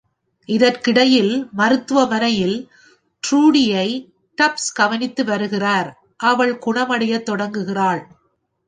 இதற்கிடையில், மருத்துவமனையில் ட்ரூடியை டப்ஸ் கவனித்து வருகிறார், அவள் குணமடையத் தொடங்குகிறாள்.